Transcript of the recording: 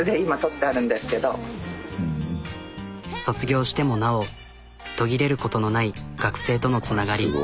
卒業してもなお途切れることのない学生とのつながり。